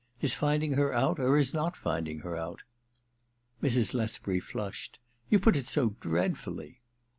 His finding her out or his not finding her out ?' Mrs. Lethbury flushed. *You put it so dreadfully